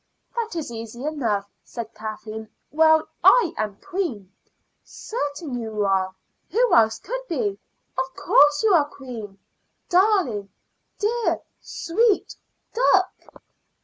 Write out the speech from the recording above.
"That is easy enough," said Kathleen. "Well, I am queen." "Certainly you are!" "Who else could be?" "Of course you are queen!" "Darling!" "Dear!" "Sweet!" "Duck!"